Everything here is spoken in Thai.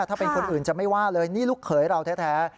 ถ้าเป็นคนอื่นจะไม่ว่าเลยนี่ลูกเขยเราแท้